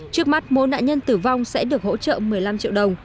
trước mắt mỗi nạn nhân tử vong sẽ được hỗ trợ một mươi năm triệu đồng